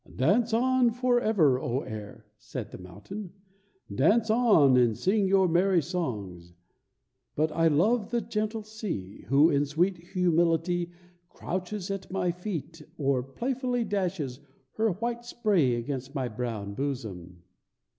"Dance on forever, O air," said the mountain; "dance on and sing your merry songs. But I love the gentle sea, who in sweet humility crouches at my feet or playfully dashes her white spray against my brown bosom."